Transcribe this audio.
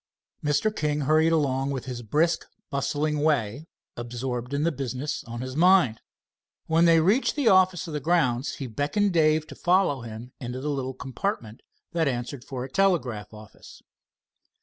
Mr. King hurried along with his brisk, bustling way, absorbed in the business on his mind. When they reached the office of the grounds, he beckoned Dave to follow him into the little compartment that answered for a telegraph office.